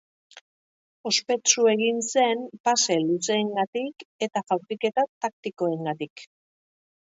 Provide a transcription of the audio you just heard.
Ospetsu egin zen pase luzeengatik eta jaurtiketa taktikoengatik.